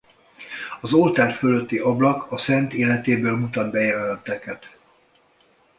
Az oltár fölötti ablak a szent életéből mutat be jeleneteket.